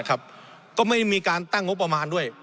ก็ไม่มีการตั้งงบประมาณด้วย